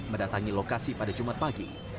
mendatangi lokasi pada jumat pagi